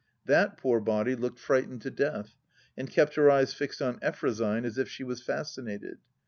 That poor body looked frightened to death, and kept her eyes fixed on Effrosyne as if she was fascinated.